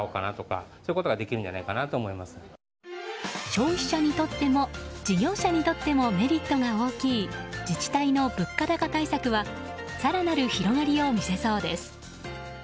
消費者にとっても事業者にとってもメリットが大きい自治体の物価高対策は更なる広がりを見せそうです。